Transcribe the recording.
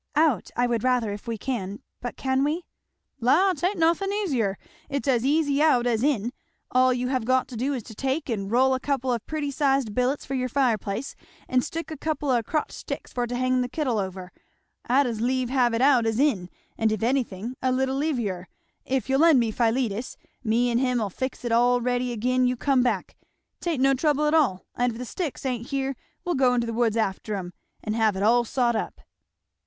"Out I would rather, if we can. But can we?" "La, 'tain't nothin' easier it's as easy out as in all you've got to do is to take and roll a couple of pretty sized billets for your fireplace and stick a couple o' crotched sticks for to hang the kittle over I'd as lieve have it out as in, and if anythin' a leetle liever. If you'll lend me Philetus, me and him'll fix it all ready agin you come back 'tain't no trouble at all and if the sticks ain't here we'll go into the woods after 'em, and have it all sot up."